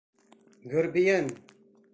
Гөрбийән!